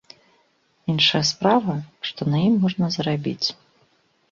Іншая справа, што на ім можна зарабіць.